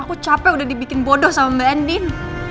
aku capek udah dibikin bodoh sama mbak andin